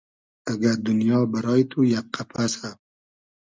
اگۂ دونیا بئرای تو یئگ قئپئسۂ